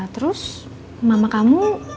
terus mama kamu